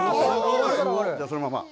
じゃあ、そのまま。